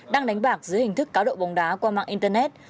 đang đánh bạc dưới hình thức cá độ bóng đá qua mạng internet